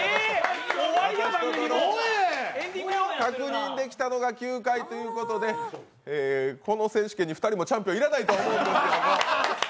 確認できたのが９回ということでこの選手権に２人もチャンピオン要らないと思いますけど。